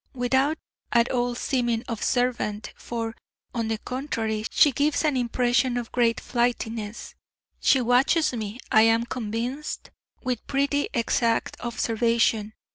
Without at all seeming observant for, on the contrary, she gives an impression of great flightiness she watches me, I am convinced, with pretty exact observation.